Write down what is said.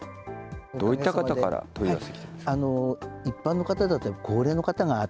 どういった方から問い合わせが来てますか。